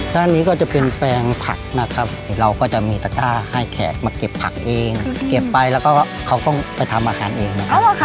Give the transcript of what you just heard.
ด้านนี้ก็จะเป็นแปลงผักนะครับเราก็จะมีตะก้าให้แขกมาเก็บผักเองเก็บไปแล้วก็เขาต้องไปทำอาหารเองนะครับ